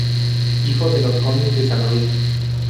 Hijo de los Condes de San Luis.